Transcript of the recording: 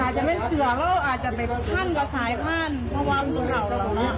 มันอาจจะเป็นเสือแล้วอาจจะไปพันกว่าสายพัน